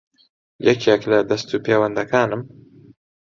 یەکێک لە دەستوپێوەندەکانم